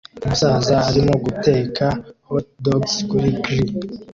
Umusaza arimo guteka hotdogs kuri grill